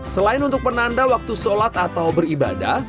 selain untuk penanda waktu sholat atau beribadah